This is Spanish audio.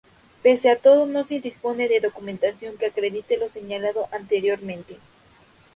Pese a todo no se dispone de documentación que acredite lo señalado anteriormente.